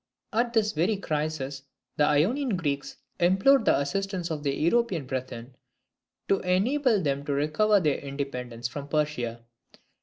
At this very crisis the Ionian Greeks implored the assistance of their European brethren, to enable them to recover their independence from Persia.